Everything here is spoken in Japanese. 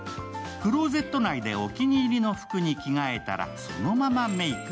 クローゼット内でお気に入りの服に着替えたらそのままメーク。